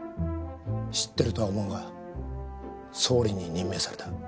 知ってるとは思うが総理に任命された。